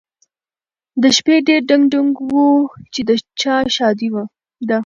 د شپې ډېر ډنګ ډونګ و چې د چا ښادي ده؟